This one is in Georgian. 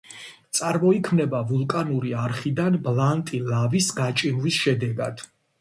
წარმოიქმნება ვულკანური არხიდან ბლანტი ლავის გაჭიმვის შედეგად.